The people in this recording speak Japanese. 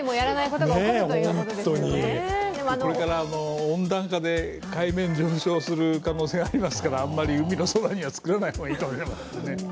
これから温暖化で海面が上昇する可能性もありますからあんまり海のそばには造らない方がいいかもしれませんね。